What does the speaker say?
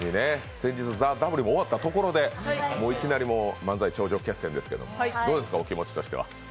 先日、「ＴＨＥＷ」も終わったところでいきなり漫才頂上決戦ですけど、どうですか、お気持ちとしては？